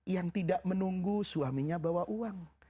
yang tidak menunggu suaminya bawa uang